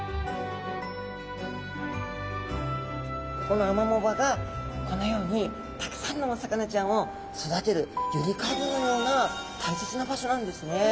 このアマモ場がこのようにたくさんのお魚ちゃんを育てるゆりかごのような大切な場所なんですね。